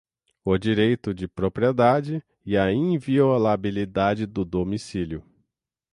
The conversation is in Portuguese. o direito de propriedade e a inviolabilidade do domicílio